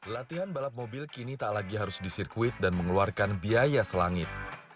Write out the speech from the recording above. latihan balap mobil kini tak lagi harus di sirkuit dan mengeluarkan biaya selangit